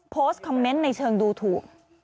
โพสต์คอมเมนต์ในเชิงดูถูก